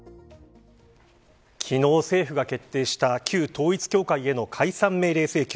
昨日、政府が決定した旧統一教会への解散命令請求。